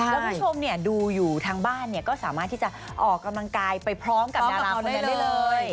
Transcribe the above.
แล้วคุณผู้ชมดูอยู่ทางบ้านเนี่ยก็สามารถที่จะออกกำลังกายไปพร้อมกับดาราคนนั้นได้เลย